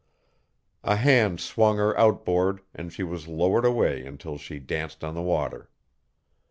A hand swung her outboard and she was lowered away until she danced on the water.